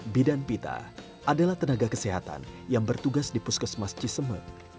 bidang pita adalah tenaga kesehatan yang bertugas di puskesmas ciseme